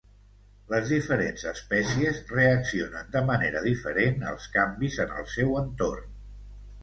Les diferents espècies reaccionen de manera diferent als canvis en el seu entorn.